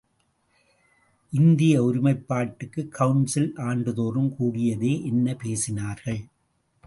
இந்திய ஒருமைப்பாட்டுக் கவுன்சில் ஆண்டுதோறும் கூடியதே, என்ன பேசினார்கள்?